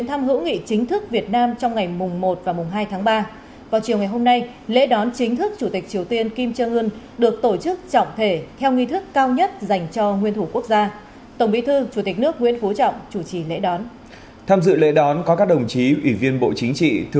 hãy đăng ký kênh để nhận thông tin nhất